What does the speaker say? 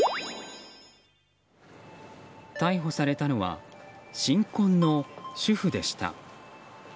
逮捕されたのは新婚の主婦でした。